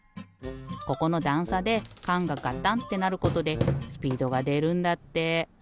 ここのだんさでかんがカタンってなることでスピードがでるんだって。